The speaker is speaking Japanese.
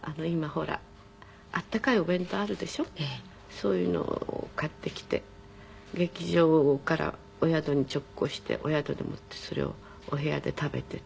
そういうのを買ってきて劇場からお宿に直行してお宿でもってそれをお部屋で食べて。